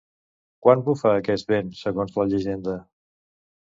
Quan bufa aquest vent, segons la llegenda?